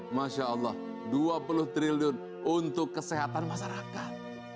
masya allah dua puluh triliun untuk kesehatan masyarakat